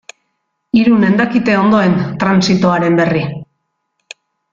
Irunen dakite ondoen trantsitoaren berri.